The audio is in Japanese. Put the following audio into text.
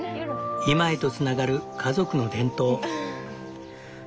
今へとつながる家族の伝統。